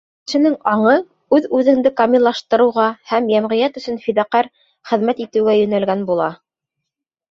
Кешенең аңы үҙ-үҙеңде камиллаштырыуға һәм йәмғиәт өсөн фиҙаҡәр хеҙмәт итеүгә йүнәлгән була.